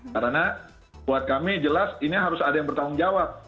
karena buat kami jelas ini harus ada yang bertanggung jawab